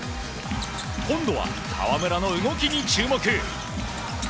今度は河村の動きに注目。